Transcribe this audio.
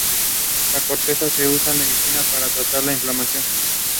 The game has an online multiplayer mode.